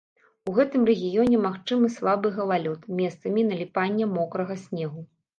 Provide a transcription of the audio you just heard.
У гэтым рэгіёне магчымы слабы галалёд, месцамі наліпанне мокрага снегу.